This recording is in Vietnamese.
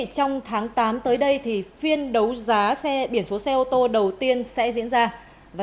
trong tháng tám tới đây phiên đấu giá biển số xe ô tô đầu tiên sẽ diễn ra